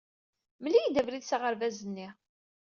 Mel-iyi-d abrid s aɣerbaz-nni.